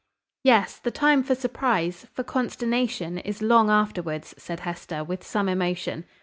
"Yes: the time for surprise, for consternation, is long afterwards," said Hester, with some emotion.